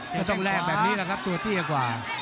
ก็ต้องแลกแบบนี้เลยครับตัวที่ก็กว่า